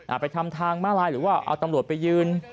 ไปทำทางมาลายหรือว่าเอาตำรวจไปยืน